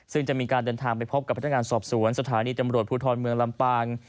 ซึ่งจะมีการเดินทางไปพบกับพนักงานสอบสวนสถานีตำรวจภูทรเมืองลำปาง